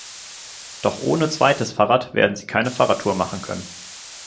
Doch ohne zweites Fahrrad werden sie keine Fahrradtour machen können.